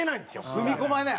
踏み込めない。